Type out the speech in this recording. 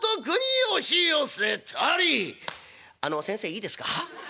「あの先生いいですか？